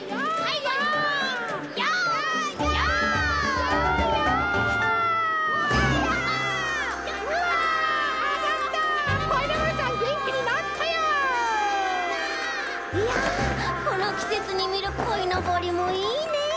いやこのきせつにみるこいのぼりもいいねえ！